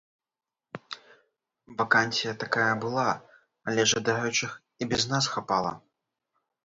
Вакансія такая была, але жадаючых і без нас хапала.